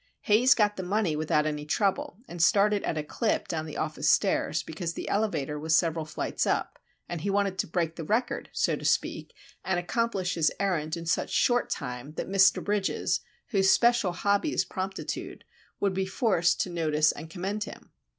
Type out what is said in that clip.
Haze got the money without any trouble, and started at a clip down the office stairs, because the elevator was several flights up, and he wanted to break the record, so to speak, and accomplish his errand in such short time that Mr. Bridges, whose special hobby is promptitude, would be forced to notice and commend him.